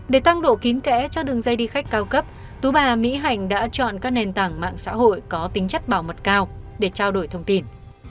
để tăng độ kín kẽ cho đường dây đi khách cao cấp tú bà mỹ hành đã chọn các nền tảng mạng xã hội có tính chất bảo mật cao để trao đổi thông tin